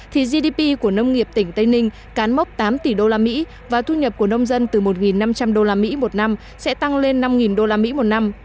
thì gdp của nông nghiệp tỉnh tây ninh cán mốc tám tỷ usd và thu nhập của nông dân từ một năm trăm linh usd một năm sẽ tăng lên năm usd một năm